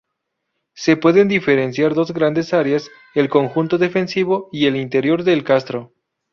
Se pueden diferenciar dos grandes áreas: el conjunto defensivo y el interior del castro.